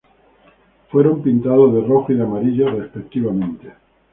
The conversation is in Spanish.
Fueron pintados de rojo y de amarillo respectivamente.